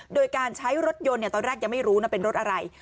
โดยการใช้รถยนต์ตอนแรกยังไม่รู้นะเป็นรถอะไร